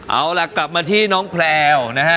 เอาล่ะกลับมาที่น้องแพลวนะฮะ